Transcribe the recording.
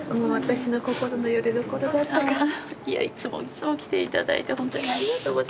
いつもいつも来ていただいて本当にありがとうございました。